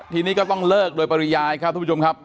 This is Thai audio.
ทีนี้ก็ต้องเลิกโดยปริยายครับทุกผู้ชมครับ